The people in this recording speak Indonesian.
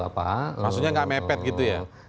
maksudnya tidak mepet gitu ya